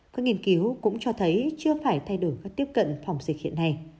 các nghiên cứu cũng cho thấy chưa phải thay đổi cách tiếp cận phòng dịch hiện nay